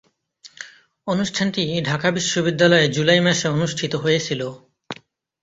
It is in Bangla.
অনুষ্ঠানটি ঢাকা বিশ্ববিদ্যালয়ে জুলাই মাসে অনুষ্ঠিত হয়েছিলো।